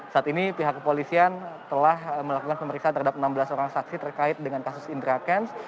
saat ini pihak kepolisian telah melakukan pemeriksaan terhadap enam belas orang saksi terkait dengan kasus indra kents